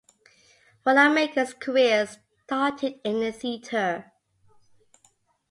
Wanamaker's career started in the theatre.